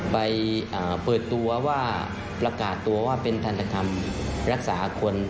ไปประกาศตัวว่าเป็นทรัคทรรมรักษาคน